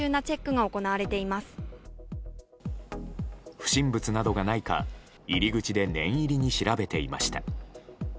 不審物などがないか入り口で念入りに調べていました。